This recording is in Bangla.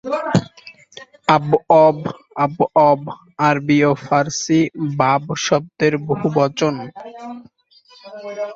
আবওয়াব আবওয়াব আরবি ও ফারসি ‘বাব’ শব্দের বহুবচন।